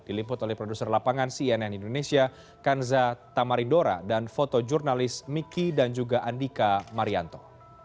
diliput oleh produser lapangan cnn indonesia kanza tamaridora dan fotojurnalis miki dan juga andika marianto